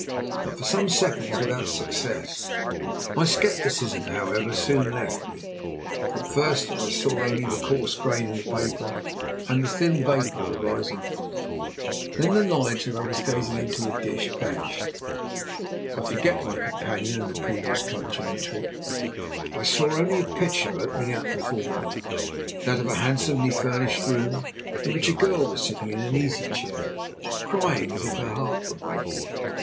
But for some seconds without success. My scepticism, however, soon left me. At first I saw only the coarse grain of the paper and the thin vapour rising from it. Then the knowledge that I was gazing into a dish vanished. I forget my companion and the previous conjuring trick. I saw only a picture opening out before me that of a handsomely furnished room, in which was a girl sitting in an easy chair crying as if her heart were breaking.